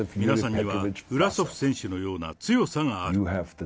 皆さんにはウラソフ選手のような強さがある。